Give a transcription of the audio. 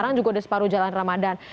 itu juga udah separuh jalan ramadhan